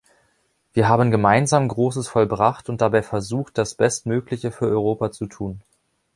Wir haben gemeinsam Großes vollbracht und dabei versucht, das Bestmögliche für Europa zu tun.